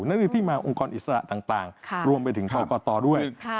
นั่นคือที่มาองค์กรอิสระต่างรวมไปถึงกรกตด้วย